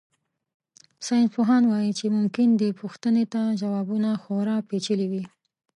ساینسپوهان وایي چې ممکن دې پوښتنې ته ځوابونه خورا پېچلي وي.